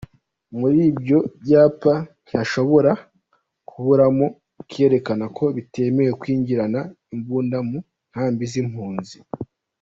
Muri ibyo byapa ntihashobora kuburamo ikerekana ko bitemewe kwinjirana imbunda mu nkambi z’impunzi.